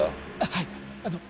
はいあの